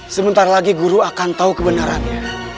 sebentar lagi guru akan tahu kebenarannya